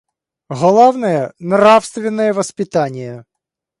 Главное — нравственное воспитание.